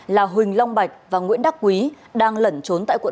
là huỳnh long bạch và nguyễn đắc quý đang lẩn trốn tại quận một